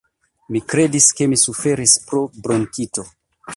Mi kredis ke mi suferis pro bronkito!